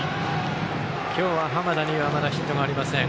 今日は濱田にはまだヒットありません。